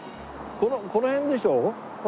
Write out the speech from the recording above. この辺でしょ？